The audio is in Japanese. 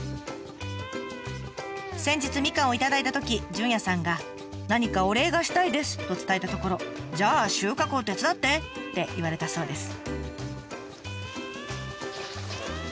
先日みかんを頂いたときじゅんやさんが「何かお礼がしたいです」と伝えたところ「じゃあ収穫を手伝って！」って言われたそうです。